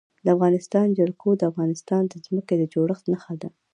د افغانستان جلکو د افغانستان د ځمکې د جوړښت نښه ده.